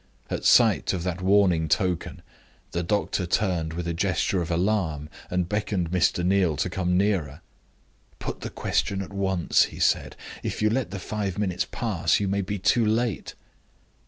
At sight of that warning token, the doctor turned with a gesture of alarm, and beckoned Mr. Neal to come nearer. "Put the question at once," he said; "if you let the five minutes pass, you may be too late."